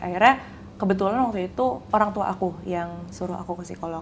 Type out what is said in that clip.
akhirnya kebetulan waktu itu orang tua aku yang suruh aku ke psikolog